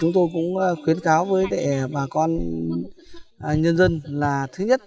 chúng tôi cũng khuyến cáo với bà con nhân dân là thứ nhất